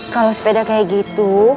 kalau sepeda kayak gitu